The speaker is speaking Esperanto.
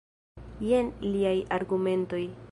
Jen liaj argumentoj.